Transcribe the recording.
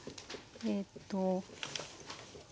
えっと。